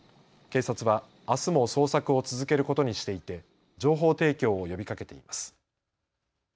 警察はあすも捜索を続けることにしていて情報提供を呼びかけています。